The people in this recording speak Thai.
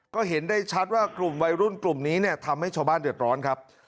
ก็เห็นได้ชัดว่ากลุ่มวัยรุ่นกลุ่มนี้เนี่ยทำให้ชาวบ้านเดือดร้อนครับ